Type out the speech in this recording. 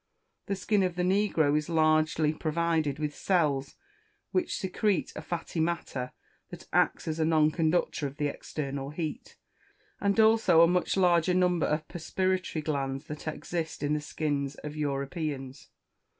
The skin of the negro is largely provided with cells which secrete a fatty matter that acts as a non conductor of the external heat, and also a much larger number of perspiratory glands than exist in the skins of Europeans.